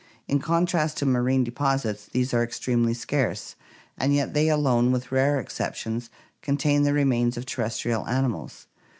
In contrast to marine deposits these are extremely scarce, and yet they alone, with rare exceptions, contain the remains of terrestrial animals.